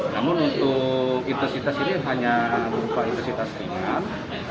namun untuk intensitas ini hanya berupa intensitas ringan